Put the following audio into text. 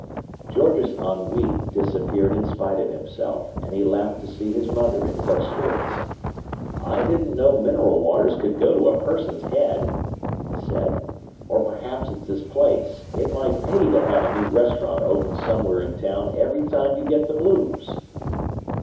George's ennui disappeared in spite of himself, and he laughed to see his mother in such spirits. "I didn't know mineral waters could go to a person's head," he said. "Or perhaps it's this place. It might pay to have a new restaurant opened somewhere in town every time you get the blues."